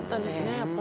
やっぱり。